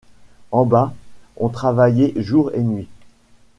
En bas, on travaillait jour et nuit.